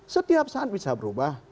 setiap saat bisa berubah